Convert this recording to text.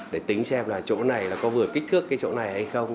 để tính xem là chỗ này là có vừa kích thước cái chỗ này hay không